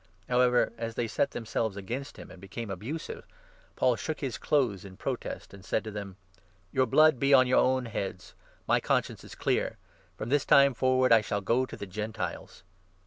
However, as they set themselves against him 6 and became abusive, Paul shook his clothes in protest and said to them : "Your blood be on your own heads. My conscience is clear. From this time forward I shall go to the Gentiles."